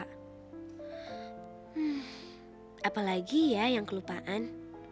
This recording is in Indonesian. hmm apalagi ya yang kelupaan